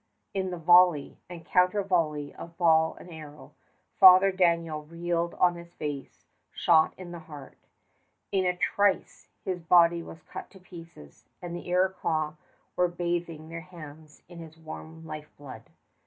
In the volley and counter volley of ball and arrow, Father Daniel reeled on his face, shot in the heart. In a trice his body was cut to pieces, and the Iroquois were bathing their hands in his warm lifeblood.